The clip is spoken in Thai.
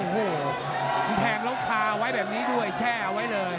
คุณแทงโลกคาร์ใส่แท่ไว้เลย